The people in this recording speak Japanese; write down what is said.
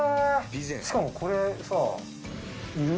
しかもこれさいる？